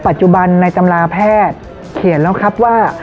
ปัจจุบันในตำราแพทย์เขียนแล้วครับว่า